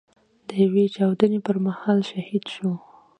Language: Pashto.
د يوې چاودنې پر مهال شهيد شو.